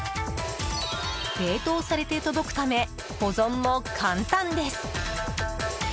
冷凍されて届くため保存も簡単です。